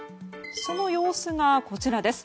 その様子が、こちらです。